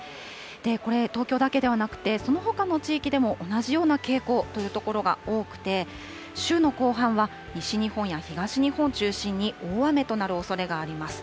これ、東京だけではなくて、そのほかの地域でも同じような傾向という所が多くて、週の後半は、西日本や東日本を中心に大雨となるおそれがあります。